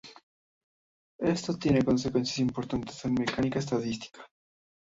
Esto tiene consecuencias importantes en mecánica estadística.